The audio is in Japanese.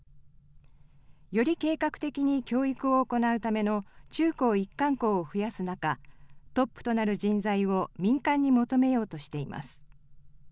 より計画的に教育を行うための中高一貫校を増やす中、トップとなる人材を民間に求めようとしています。